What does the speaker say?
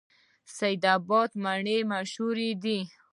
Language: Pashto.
سید اباد مڼې مشهورې دي؟